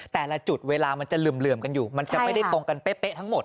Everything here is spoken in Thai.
แต่ละจุดเวลามันจะเหลื่อมกันอยู่มันจะไม่ได้ตรงกันเป๊ะทั้งหมด